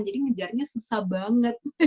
jadi menjarnya susah banget